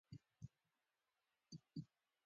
خولۍ د پیغلو لپاره هم خاص ډولونه لري.